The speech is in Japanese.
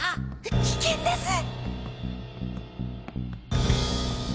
危険です！